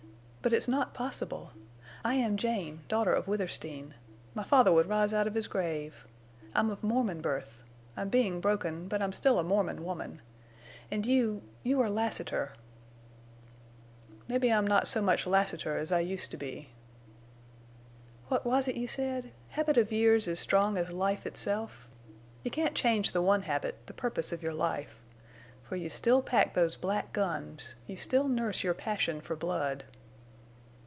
But it's not possible. I am Jane, daughter of Withersteen. My father would rise out of his grave. I'm of Mormon birth. I'm being broken. But I'm still a Mormon woman. And you—you are Lassiter!" "Mebbe I'm not so much Lassiter as I used to be." "What was it you said? Habit of years is strong as life itself! You can't change the one habit—the purpose of your life. For you still pack those black guns! You still nurse your passion for blood."